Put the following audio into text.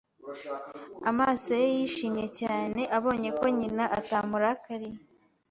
Amaso ye yishimye cyane abonye ko nyina atamurakariye.